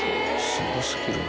すごすぎるな。